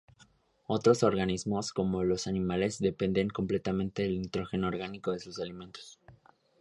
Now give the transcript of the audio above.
Otros organismos, como los animales, dependen completamente del nitrógeno orgánico de sus alimentos.